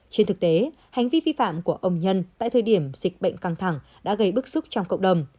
trên thực tế hành vi vi phạm của ông nhân tại thời điểm dịch bệnh căng thẳng đã gây bức xúc trong cộng đồng